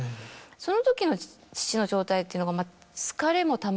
そのときの父の状態っていうのが。